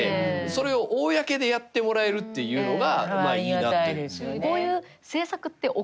それを公でやってもらえるっていうのがいいなと。